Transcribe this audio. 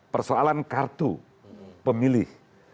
persoalan kartu pemilih